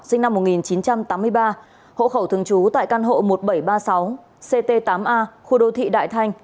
sinh năm một nghìn chín trăm tám mươi ba hộ khẩu thường trú tại căn hộ một nghìn bảy trăm ba mươi sáu ct tám a khu đô thị đại thanh